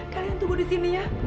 kalian tunggu di sini ya